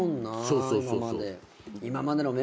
そうそうそうそう。